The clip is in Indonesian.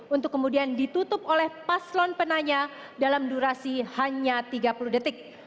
untuk kemudian ditutup oleh paslon penanya dalam durasi hanya tiga puluh detik